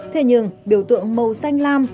thế nhưng biểu tượng màu xanh lam